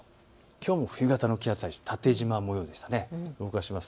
きょうも冬型の気圧配置、縦じま模様です。